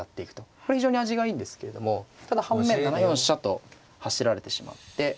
これ非常に味がいいんですけれどもただ半面７四飛車と走られてしまって。